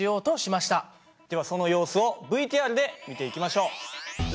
ではその様子をＶＴＲで見ていきましょう。